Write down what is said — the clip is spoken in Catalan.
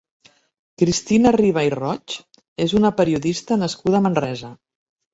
Cristina Riba i Roig és una periodista nascuda a Manresa.